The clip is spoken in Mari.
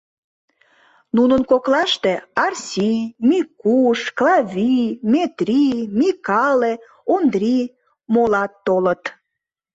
Нунын коклаште Арси, Микуш, Клави, Метри, Микале, Ондри, молат толыт.